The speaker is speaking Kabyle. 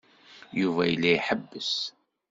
Yuba yella iḥebbes.